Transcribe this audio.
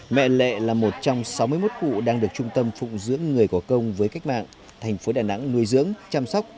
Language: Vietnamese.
mẹ lệ là một trong sáu mươi một cụ đang được trung tâm phụng dưỡng người có công với cách mạng thành phố đà nẵng nuôi dưỡng chăm sóc